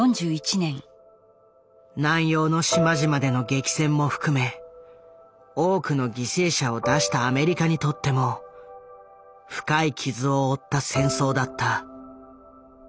南洋の島々での激戦も含め多くの犠牲者を出したアメリカにとっても深い傷を負った戦争だった。